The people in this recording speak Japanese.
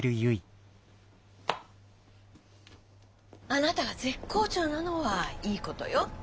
あなたが絶好調なのはいいことよ。